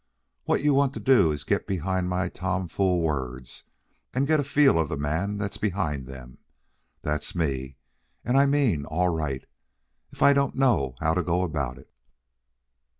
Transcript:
What you want to do is get behind my tomfool words and get a feel of the man that's behind them. That's me, and I mean all right, if I don't know how to go about it."